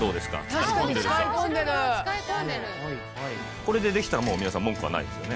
これでできたらもう皆さん文句はないですよね。